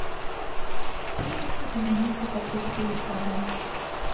Прыйдзецца замяніць сухафрукты узварам.